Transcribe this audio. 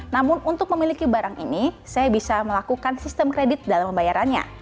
namun untuk memiliki barang ini saya bisa melakukan sistem kredit dalam pembayarannya